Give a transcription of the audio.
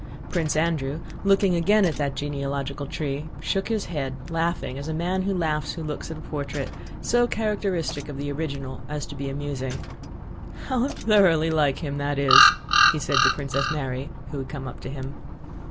Prince Andrew, looking again at that genealogical tree, shook his head, laughing as a man laughs who looks at a portrait so characteristic of the original as to be amusing. "How thoroughly like him that is!" he said to Princess Mary, who had come up to him.